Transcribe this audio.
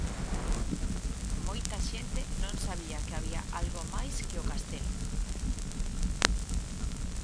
Moita xente non sabía que había algo máis que o castelo.